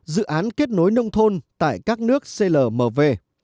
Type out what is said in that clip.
dự án kết nối nông thôn tại các nước clmv